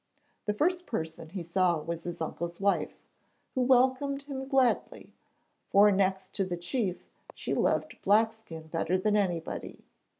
The first person he saw was his uncle's wife, who welcomed him gladly, for next to the chief she loved Blackskin better than anybody.